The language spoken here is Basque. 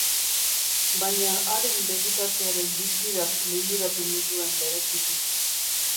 Baina haren begitartearen distirak liluratu ninduen bereziki.